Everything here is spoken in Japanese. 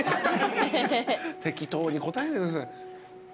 適当に答えないでください。